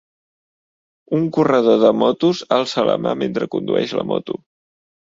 Un corredor de motos alça la mà mentre condueix la moto.